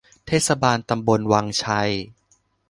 เทศบาลตำบลวังชัย